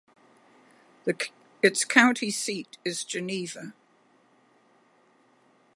Its county seat is Geneva.